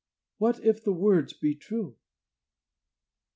What if the words be true!"